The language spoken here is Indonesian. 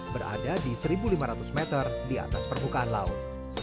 berada di satu lima ratus meter di atas permukaan laut